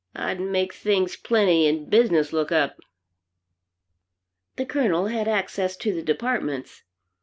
I'd make things plenty, and business look up.'" The Colonel had access to the departments.